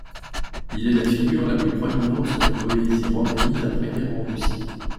Il est la figure la plus proéminente de la poésie romani d'après-guerre en Russie.